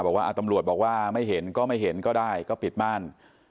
บอกว่าตำรวจบอกว่าไม่เห็นก็ไม่เห็นก็ได้ก็ปิดม่าน